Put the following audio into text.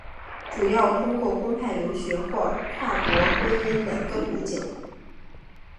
主要通过公派留学或跨国婚姻两个途径。